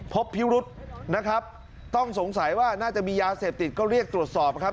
พบพิรุษนะครับต้องสงสัยว่าน่าจะมียาเสพติดก็เรียกตรวจสอบครับ